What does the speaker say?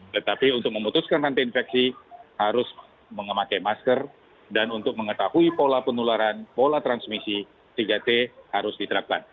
tetapi untuk memutuskan rantai infeksi harus memakai masker dan untuk mengetahui pola penularan pola transmisi tiga t harus diterapkan